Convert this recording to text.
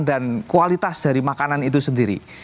dan kualitas dari makanan itu sendiri